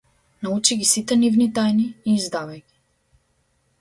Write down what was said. Научи ги сите нивни тајни и издавај ги.